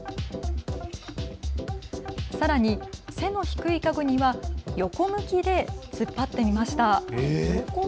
さらに背の低い家具には横向きで突っ張ってみました。